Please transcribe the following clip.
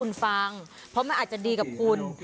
คุณฟังเพราะมันอาจจะดีกับคุณ